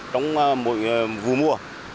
trong vừa mùa